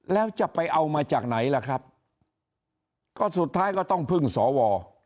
แล้วจะไปเอามาจากไหนล่ะครับก็สุดท้ายก็ต้องพึ่งสว